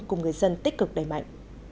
cùng người dân tích cực đẩy mạnh